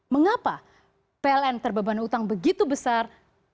mengapa pln terbebani utang begitu besar